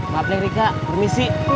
maaf neng rika permisi